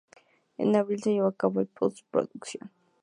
En abril se llevó a cabo la post-producción.